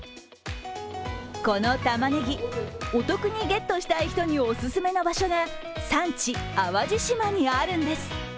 このたまねぎ、お得にゲットしたい人にお勧めの場所が産地・淡路島にあるんです。